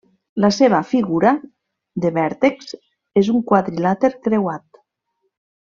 La seva figura de vèrtexs és un quadrilàter creuat.